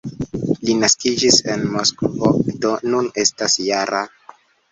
Ŝi naskiĝis en Moskvo, do nun estas -jara.